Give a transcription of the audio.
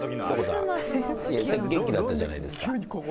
さっき元気だったじゃないですか。